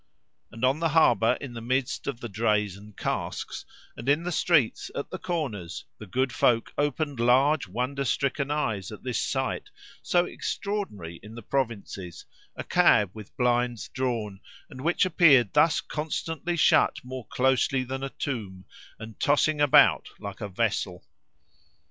And on the harbour, in the midst of the drays and casks, and in the streets, at the corners, the good folk opened large wonder stricken eyes at this sight, so extraordinary in the provinces, a cab with blinds drawn, and which appeared thus constantly shut more closely than a tomb, and tossing about like a vessel.